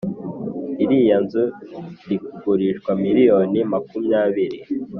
Iriya nzu irikugurishwa miliyoni makumyabiri